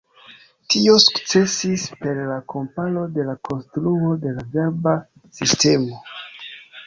Tio sukcesis per la komparo de la konstruo de la verba sistemo.